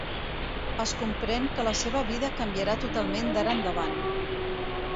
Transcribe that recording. Es comprèn que la seva vida canviarà totalment d'ara endavant.